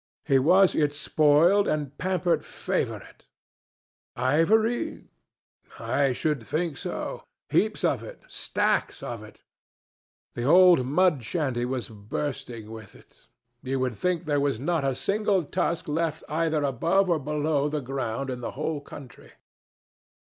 He was its spoiled and pampered favorite. Ivory? I should think so. Heaps of it, stacks of it. The old mud shanty was bursting with it. You would think there was not a single tusk left either above or below the ground in the whole country.